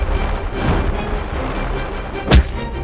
kalau terus seperti ini